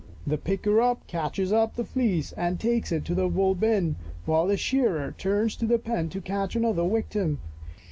The " picker up " catches up the fleece and takes it to the wool bin, while the shearer turns to the pen to catch another victim.